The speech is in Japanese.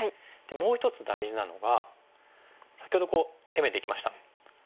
もう一つ大事なのが先ほど攻めていきました。